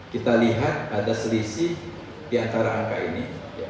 kita lihat ada selisih di antara angka ini